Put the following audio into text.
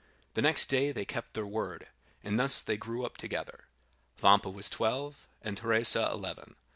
The next day they kept their word, and thus they grew up together. Vampa was twelve, and Teresa eleven.